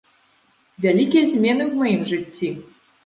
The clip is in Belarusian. Вялікія змены ў маім жыцці!